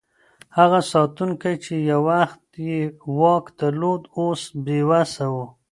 هغه ساتونکی چې یو وخت یې واک درلود، اوس بې وسه و.